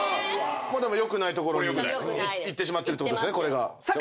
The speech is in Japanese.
良くないところにいってしまってるってことですね。